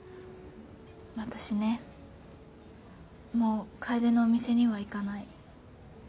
私ねもう楓のお店には行かない。